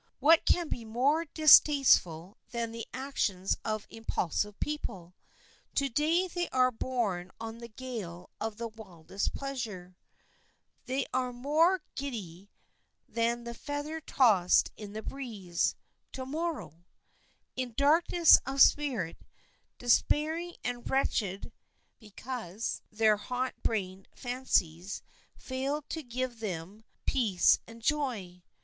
What can be more distasteful than the actions of impulsive people? To day they are borne on the gale of the wildest pleasure—they are more giddy than the feather tossed in the breeze; to morrow, in darkness of spirit, despairing and wretched, because their hot brained fancies failed to give them peace and joy.